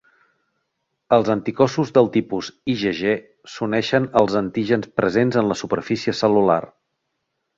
Els anticossos del tipus IgG s’uneixen als antígens presents en la superfície cel·lular.